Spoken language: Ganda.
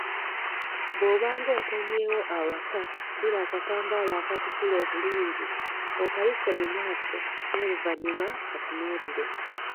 Bw'obanga okomyewo awaka, ddira akatambaala akatukula obulungi, okayise mu maaso, n'oluvannyuma katunuulire.